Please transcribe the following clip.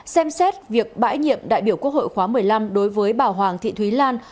xem xét việc bãi nhiệm đại biểu quốc hội khóa một mươi năm đối với bà hoàng thị thúy lan